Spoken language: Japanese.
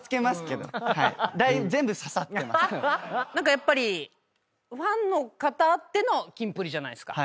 やっぱりファンの方あってのキンプリじゃないですか。